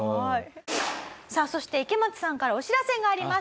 さあそして池松さんからお知らせがあります。